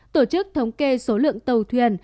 tổ chức thống kê số lượng tàu thuyền